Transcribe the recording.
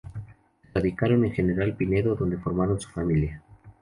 Se radicaron en General Pinedo donde formaron su familia.